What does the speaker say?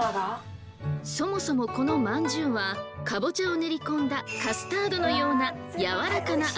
そもそもこのまんじゅうはかぼちゃを練り込んだカスタードのようなやわらかな餡が特徴。